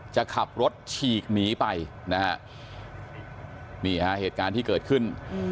จะขับรถฉีกหนีไปนะฮะนี่ฮะเหตุการณ์ที่เกิดขึ้น